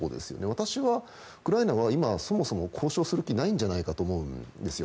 私はウクライナはそもそも交渉する気はないんじゃないかと思うんですよ。